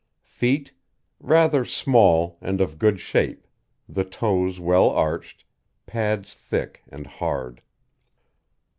FEET Rather small, and of good shape, the toes well arched, pads thick and hard.